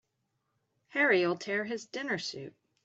Harry'll tear his dinner suit.